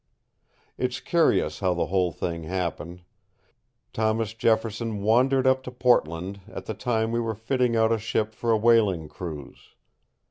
II It's curious how the whole thing happened. Thomas Jefferson wandered up to Portland at the time we were fitting out a ship for a whaling cruise.